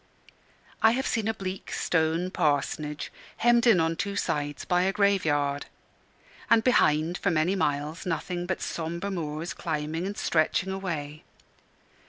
I have seen a bleak stone parsonage, hemmed in on two sides by a grave yard; and behind for many miles nothing but sombre moors climbing and stretching away.